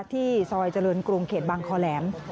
ที่ซอยเจริญกรุงเขตบางคอแหลม